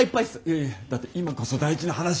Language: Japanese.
いやいやだって今こそ大事な話しないと。